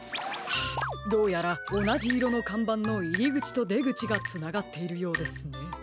どうやらおなじいろのかんばんのいりぐちとでぐちがつながっているようですね。